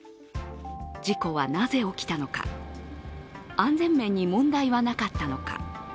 事故はなぜ起きたのか、安全面に問題はなかったのか。